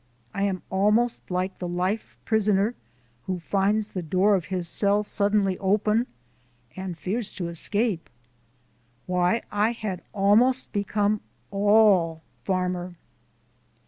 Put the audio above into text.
I am almost like the life prisoner who finds the door of his cell suddenly open, and fears to escape. Why, I had almost become ALL farmer.